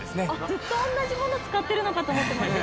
◆ずっと同じものを使っているのかと思ってました。